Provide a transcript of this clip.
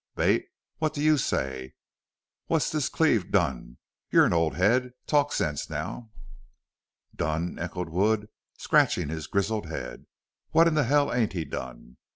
Bate, what do you say? What's this Cleve done? You're an old head. Talk, sense, now." "Done?" echoed Wood, scratching his grizzled head. "What in the hell ain't he done?...